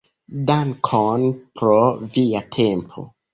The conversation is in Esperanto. Dankon pro via tempo.